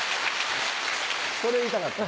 それ言いたかった。